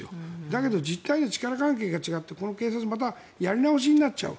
だけど、実態や力関係が違ってこの警察も、またやり直しになっちゃう。